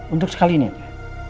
untuk sekali ini aja